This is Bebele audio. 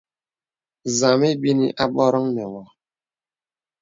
Zama ebínī àbòròŋ nə wô.